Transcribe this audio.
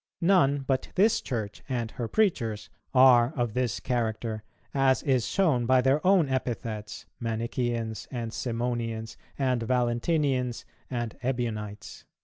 None, but this Church and her preachers, are of this character, as is shown by their own epithets, Manicheans, and Simonians, and Valentinians, and Ebionites."